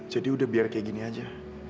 jadi udah biar kayak gini aja